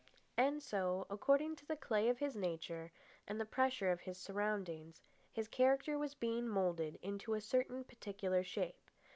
And so, according to the clay of his nature and the pressure of his surroundings, his character was being moulded into a certain particular shape.